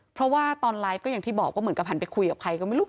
เพราะว่าตอนไลฟ์ก็อย่างที่บอกว่าเหมือนกับหันไปคุยกับใครก็ไม่รู้